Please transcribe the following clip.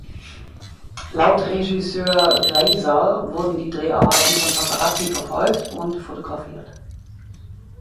Laut Regisseur Glazer wurden die Dreharbeiten von Paparazzi verfolgt und fotografiert.